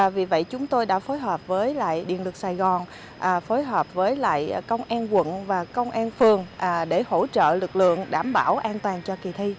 vì vậy chúng tôi đã phối hợp với điện lực sài gòn phối hợp với công an quận và công an phường để hỗ trợ lực lượng đảm bảo an toàn cho kỳ thi